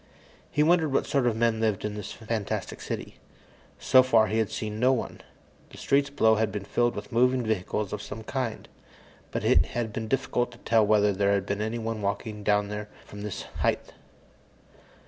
He wondered what sort of men lived in this fantastic city. So far, he had seen no one. The streets below had been filled with moving vehicles of some kind, but it had been difficult to tell whether there had been anyone walking down there from this height.